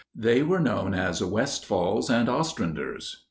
They were known as Westfall's and Ostrander's.